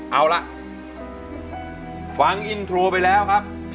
เอาล่ะฟังอินโทรไปแล้วครับ